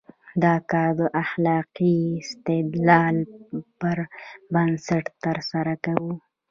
دا کار د اخلاقي استدلال پر بنسټ ترسره کوو.